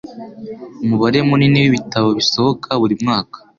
Umubare munini wibitabo bisohoka buri mwaka.